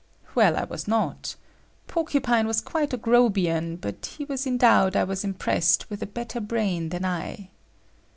Well, I was not. Porcupine was quite a Grobian but he was endowed, I was impressed, with a better brain than I.